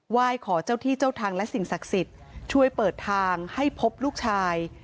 ยขอเจ้าที่เจ้าทางและสิ่งศักดิ์สิทธิ์ช่วยเปิดทางให้พบลูกชาย